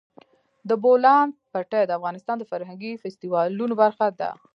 د بولان پټي د افغانستان د فرهنګي فستیوالونو برخه ده.